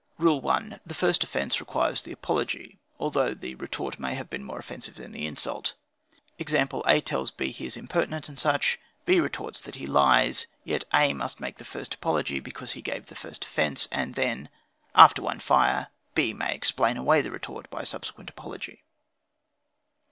"Rule 1. The first offence requires the apology, although the retort may have been more offensive than the insult. Example: A. tells B. he is impertinent, &C. B. retorts, that he lies; yet A. must make the first apology, because he gave the first offence, and then, (after one fire,) B. may explain away the retort by subsequent apology.